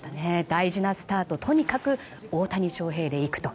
大事なスタートをとにかく大谷翔平でいくと。